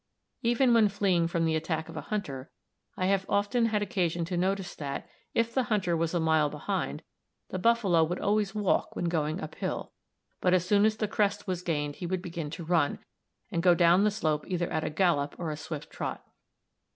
Even when fleeing from the attack of a hunter, I have often had occasion to notice that, if the hunter was a mile behind, the buffalo would always walk when going uphill; but as soon as the crest was gained he would begin to run, and go down the slope either at a gallop or a swift trot.